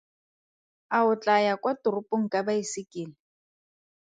A o tlaa ya kwa toropong ka baesekele?